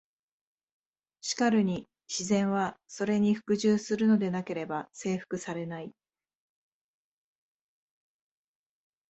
しかるに「自然は、それに服従するのでなければ征服されない」。